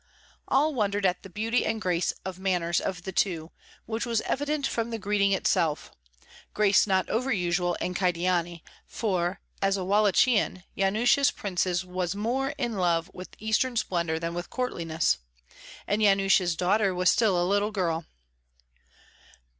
All wondered at the beauty and grace of manners of the two, which was evident from the greeting itself, grace not over usual in Kyedani, for, as a Wallachian, Yanush's princess was more in love with eastern splendor than with courtliness, and Yanush's daughter was still a little girl.